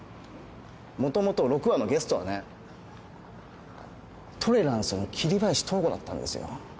もともと６話のゲストはねトレランスの桐林藤吾だったんですよ。